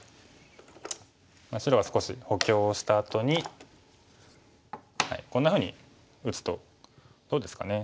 白は少し補強をしたあとにこんなふうに打つとどうですかね。